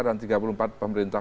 dan tiga puluh empat pemerintah